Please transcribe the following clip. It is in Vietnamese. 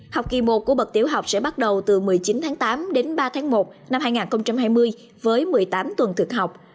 học kỳ một của bậc tiểu học sẽ bắt đầu từ một mươi chín tháng tám đến ba tháng một năm hai nghìn hai mươi với một mươi tám tuần thực học